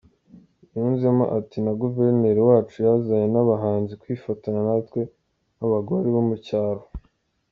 Yunzemo ati “Na Guverineri wacu yazanye n’abahanzi kwifatanya natwe abagore bo mu cyaro.